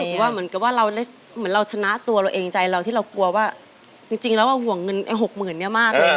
รู้สึกว่าเหมือนกับว่าเราชนะตัวเราเองใจเราที่เรากลัวว่าจริงแล้วว่าห่วงเงินไอ้หกหมื่นเนี่ยมากเลย